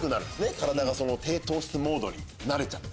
体が低糖質モードに慣れちゃって。